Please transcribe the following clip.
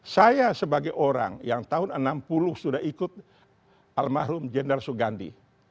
saya sebagai orang yang tahun enam puluh sudah ikut almarhum jenderal sugandi